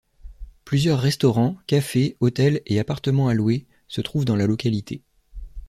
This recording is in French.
Plusieurs restaurants, cafés, hôtels et appartements à louer se trouvent dans la localité.